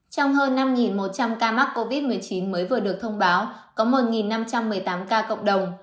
trong hơn năm một trăm linh ca mắc covid một mươi chín mới vừa được thông báo có một năm trăm một mươi tám ca cộng đồng